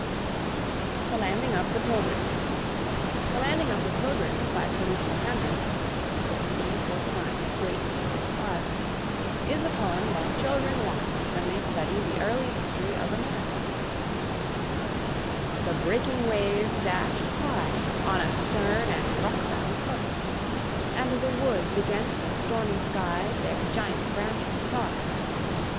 THE LANDING OF THE PILGRIMS. "The Landing of the Pilgrims," by Felicia Hemans (1749 1835), is a poem that children want when they study the early history of America. The breaking waves dashed high On a stern and rock bound coast, And the woods against a stormy sky Their giant branches tossed.